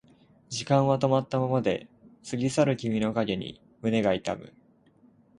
時間は止まったままで過ぎ去る君の影に胸が痛む